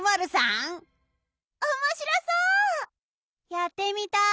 やってみたい。